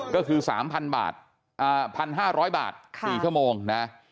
ก็คือ๓๐๐บาท๑๕๐๐บาท๔ชั่วโมงนะ